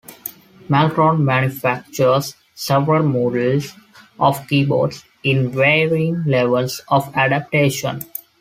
Maltron manufactures several models of keyboards, in varying levels of adaptation.